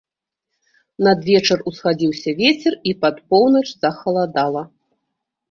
Надвечар усхадзіўся вецер, і пад поўнач захаладала.